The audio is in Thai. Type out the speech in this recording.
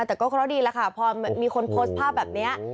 แต่ก็พอดีแล้วค่ะพอมีคนโพสต์ภาพแบบเนี้ย